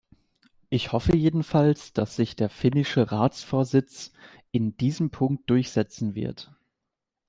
Ich hoffe jedenfalls, dass sich der finnische Ratsvorsitz in diesem Punkt durchsetzen wird.